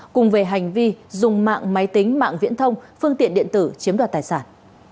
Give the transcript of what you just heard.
cùng về hành vi dùng mạng máy tính mạng viễn thông phương tiện điện tử chiếm đoạt tài sản